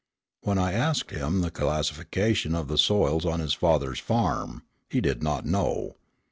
When I asked him the classification of the soils on his father's farm, he did not know.